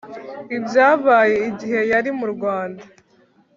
ibyabaye igihe yari mu rwanda